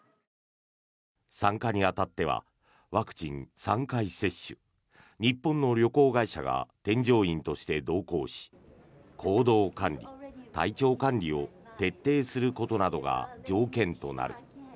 参加に当たってはワクチン３回接種日本の旅行会社が添乗員として同行し行動管理、体調管理を徹底することなどが条件となる。